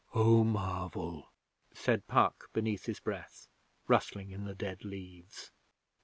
'Oh, Marvel!' said Puck, beneath his breath, rustling in the dead leaves.